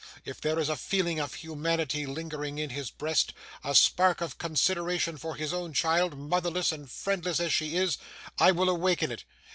If there is a feeling of humanity lingering in his breast, a spark of consideration for his own child, motherless and friendless as she is, I will awaken it.